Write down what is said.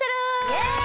イエーイ！